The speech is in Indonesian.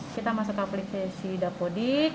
kita masuk aplikasi dapodik